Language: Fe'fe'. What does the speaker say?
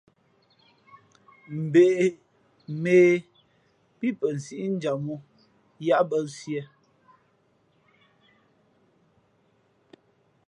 Mbᾱ ě, mᾱ ě pí pα nsíʼnjam ǒ yáʼbᾱ siē.